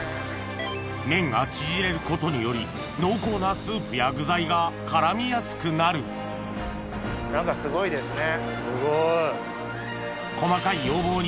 麺がちぢれることにより濃厚なスープや具材が絡みやすくなる何かすごいですね。